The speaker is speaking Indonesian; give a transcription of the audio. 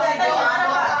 kan tadi bapak bilang